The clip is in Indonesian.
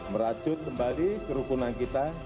merajut kembali kerukunan kita